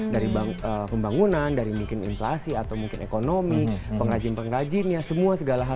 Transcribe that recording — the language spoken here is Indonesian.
dari pembangunan dari mungkin inflasi atau mungkin ekonomi pengrajin pengrajinnya semua segala hal